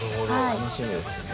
楽しみですね。